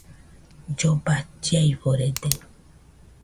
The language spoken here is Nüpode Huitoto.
Lloba chiaforede